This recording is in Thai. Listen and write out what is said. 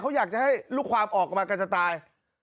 เขาอยากจะให้ลูกความออกมากันจะตาย